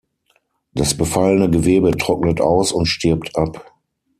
Das befallene Gewebe trocknet aus und stirbt ab.